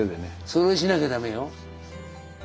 それしなきゃダメよ。